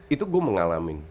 itu gue mengalami